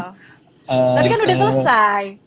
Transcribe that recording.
tapi kan udah selesai